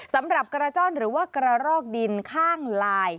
สำหรับกระจ้อนหรือว่ากระรอกดินข้างลาย